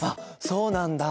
そうなんだ。